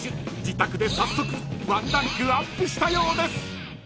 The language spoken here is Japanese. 自宅で早速ワンランクアップしたようです］